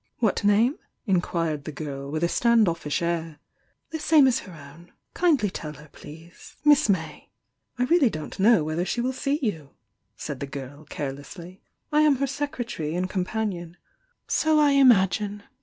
"What name?" inquired the girl, with a stand offish air. "The same as her own. Kindly tell her, please. Miss May." "I really don't know whether she will see you," said the girl, carelessly. "I am her secretary and companion " "So I imagine!"